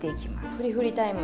ふりふりタイム。